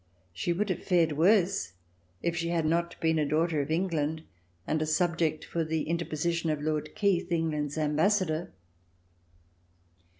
She would have fared worse if she had not been a daughter of England and a subject for the interposition of Lord Keith, England's Ambassador.